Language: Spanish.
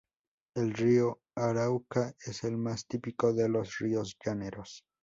El río Arauca es el más típico de los ríos llaneros.